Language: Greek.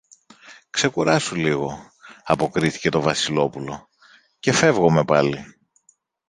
Ξεκουράσου λίγο, αποκρίθηκε το Βασιλόπουλο, και φεύγομε πάλι.